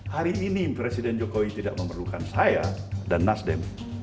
hari ini presiden jokowi tidak memerlukan saya dan nasdem